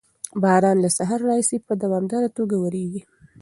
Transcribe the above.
باران له سهار راهیسې په دوامداره توګه ورېږي.